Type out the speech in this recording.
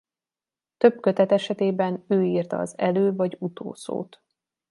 Több kötet esetében ő írta az elő- vagy utószót.